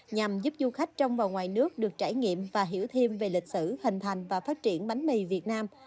nhằm giúp du khách trong và ngoài nước được trải nghiệm và hiểu thêm về lịch sử hình thành và phát triển bánh mì việt nam